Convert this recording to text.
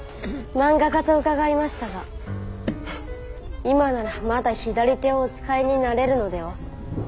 漫画家と伺いましたが今ならまだ左手をお使いになれるのでは？